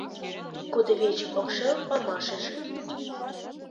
Кудывече покшел памашыжым